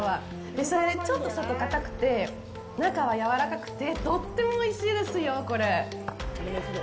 それで、ちょっと外は硬くて、中はやわらかくてとってもおいしいですよ、これ。